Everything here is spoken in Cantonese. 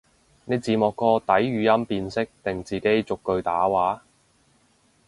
你字幕個底語音辨識定自己逐句打話？